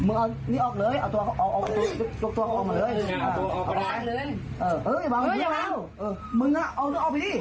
เอออย่าบังค์มึงนะเอาไปดิ